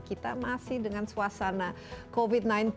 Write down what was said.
kita masih dengan suasana covid sembilan belas